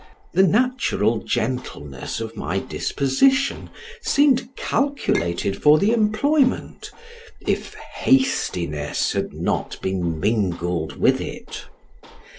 The natural gentleness of my disposition seemed calculated for the employment, if hastiness had not been mingled with it.